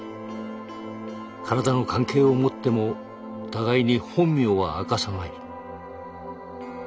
体の関係を持っても互いに本名は明かさない。